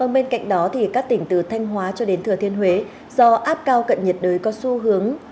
bên cạnh đó các tỉnh từ thanh hóa cho đến thừa thiên huế do áp cao cận nhiệt đới có xu hướng